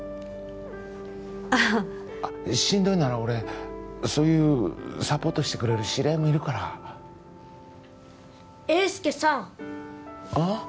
ああしんどいなら俺そういうサポートしてくれる知り合いもいるから・英介さんああ？